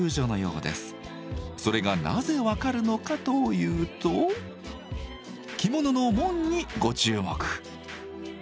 それがなぜ分かるのかというと着物の紋にご注目。